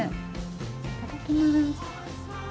いただきます。